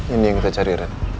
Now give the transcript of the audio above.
ini yang kita cari